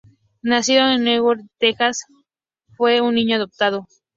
Nacido en Fort Worth, Texas, Lee fue un niño adoptado.